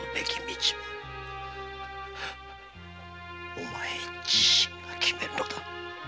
お前自身が決めるのだ。